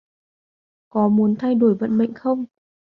có muốn thay đổi vận mệnh không